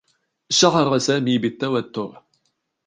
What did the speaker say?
شعر سامي بالتوتّر.